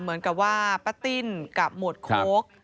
เหมือนกับว่าป้าติ้นกับหมวดโค้ก